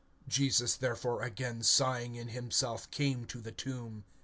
(38)Jesus therefore, again groaning in himself, comes to the tomb.